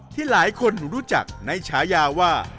ที่หลายคนรู้จักในฉายาว่า